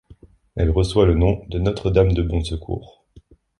Elle reçoit le nom de Notre-Dame de Bon Secours.